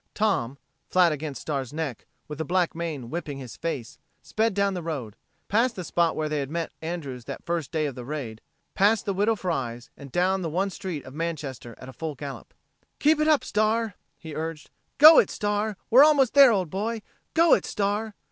Tom, flat against Star's neck, with the black mane whipping his face, sped down the road past the spot where they had met Andrews that first day of the raid, past the Widow Fry's and down the one street of Manchester at a full gallop. "Keep it up, Star!" he urged. "Go it, Star! We're almost there, old boy. Go it, Star!"